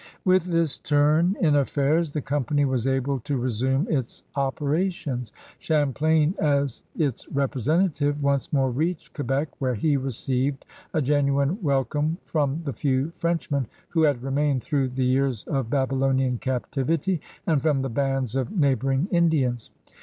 With this turn in affairs the Company was able to resume its operations. Champlain, as its repre sentative, once more reached Quebec, where he received a genuine welcome from the few French men who had remained through the years of Babylonian captivity, and from the bands of neighboring Indians.